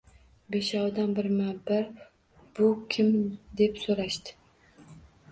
Beshovidan birma-bir bu kim deb so‘rashdi.